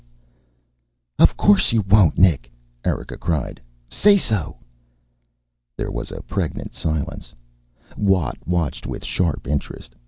"Of course you won't, Nick," Erika cried. "Say so!" There was a pregnant silence. Watt watched with sharp interest.